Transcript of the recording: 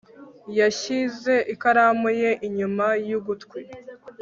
yashyize ikaramu ye inyuma y ugutwi